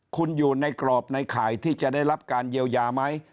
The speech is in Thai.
คุณอยู่ในกรอบในข่ายที่จะได้รับการเยียวยาไหม